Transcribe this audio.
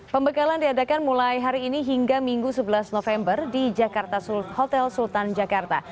pembekalan diadakan mulai hari ini hingga minggu sebelas november di jakarta hotel sultan jakarta